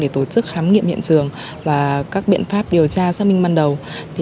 tổ chức khám nghiệm hiện trường và các biện pháp điều tra xác minh ban đầu